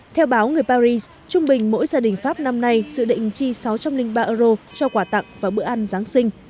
theo báo người paris trung bình mỗi gia đình pháp năm nay dự định chi sáu trăm linh ba euro cho quả tặng và bữa ăn giáng sinh